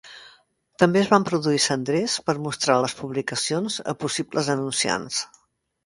També es van produir cendrers per mostrar les publicacions a possibles anunciants.